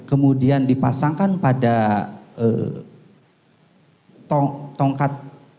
kemudian dipasangkan pada tongkat